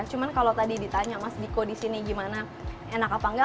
cuma kalau tadi ditanya mas diko di sini gimana enak apa enggak